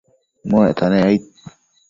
muecta nec aid